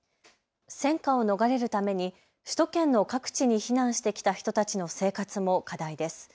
戦火を逃れるために首都圏の各地に避難してきた人たちの生活も課題です。